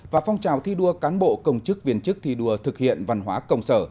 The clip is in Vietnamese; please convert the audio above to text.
và phong trào thi đua cán bộ công chức viên chức thi đua thực hiện văn hóa công sở